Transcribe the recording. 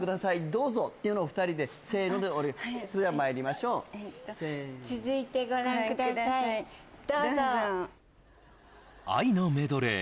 どうぞっていうのを２人でせーのでそれではまいりましょう愛のメドレー